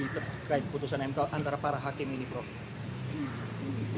seperti keputusan mkmk antara para hakim ini prof